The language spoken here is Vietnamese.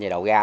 về đầu ga